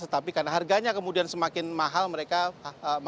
tetapi karena harganya kemudian semakin mahal mereka